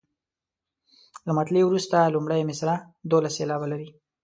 له مطلع وروسته لومړۍ مصرع دولس سېلابونه لري.